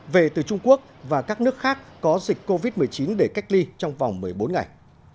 về từ trung quốc và các nước khác có dịch covid một mươi chín để cách ly trong vòng một mươi bốn ngày